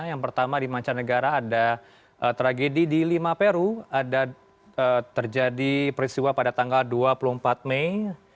yang pertama di mancanegara ada tragedi di lima peru ada terjadi peristiwa pada tanggal dua puluh empat mei seribu sembilan ratus enam puluh empat